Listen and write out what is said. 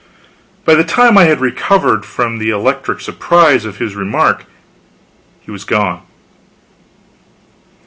By the time I had recovered from the electric surprise of this remark, he was gone.